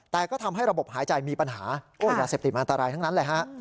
แต่ก็ทำให้ระบบหายใจมีปัญหาโอ้ยาเสพติดมันอันตรายทั้งนั้นเลยฮะ